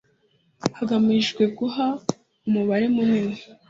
hagamijwe guha umubare munini